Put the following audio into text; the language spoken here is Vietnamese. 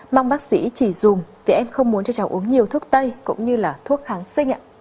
mong bác sĩ chỉ dùng vì em không muốn cho cháu uống nhiều thuốc tây cũng như là thuốc kháng sinh ạ